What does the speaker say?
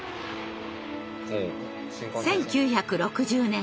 １９６０年